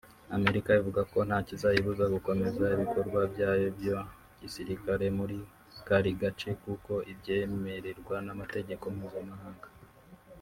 Amerika ivuga ko ntakizayibuza gukomeza ibikorwa byayo bya gisirikare muri kari gace kuko ibyemererwa n'amategeko mpuzamahanga